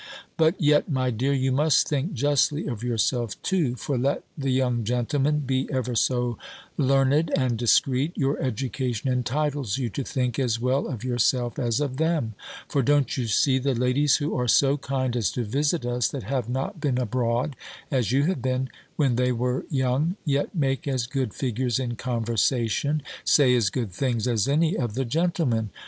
"But yet, my dear, you must think justly of yourself too; for let the young gentlemen be ever so learned and discreet, your education entitles you to think as well of yourself as of them: for, don't you see, the ladies who are so kind as to visit us, that have not been abroad, as you have been, when they were young, yet make as good figures in conversation, say as good things as any of the gentlemen?